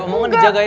omongan dijaga ya